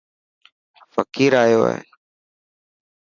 فقير ايو هي.